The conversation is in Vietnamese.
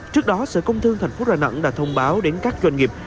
trước đó sở công thương thành phố rà nẵng đã thông báo đến các doanh nghiệp